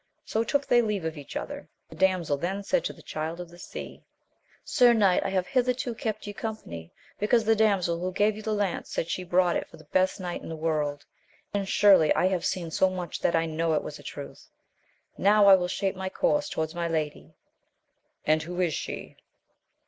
So took they leave of each other. The damsel then said to the Child of the Sea, Sir knight, I have hitherto kept ye company, because the damsel who gave you the lance said she brought it for the best knight in the world, and surely I have seen so much that I know it was a truth. Now I will shape my course towards my lady. And who is she